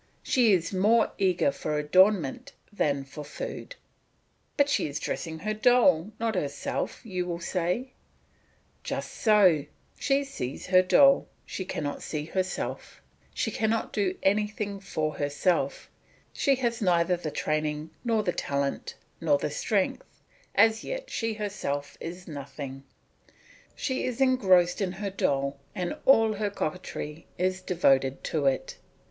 She is more eager for adornment than for food. "But she is dressing her doll, not herself," you will say. Just so; she sees her doll, she cannot see herself; she cannot do anything for herself, she has neither the training, nor the talent, nor the strength; as yet she herself is nothing, she is engrossed in her doll and all her coquetry is devoted to it.